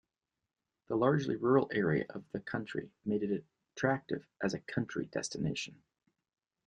The largely rural area of the county made it attractive as a country destination.